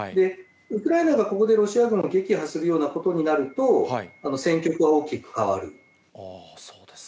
ウクライナがここでロシア軍を撃破するようなことになると、戦局は大きく変わる。